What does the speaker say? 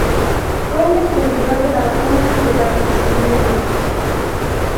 Fue el descubridor de la vacuna de la disentería.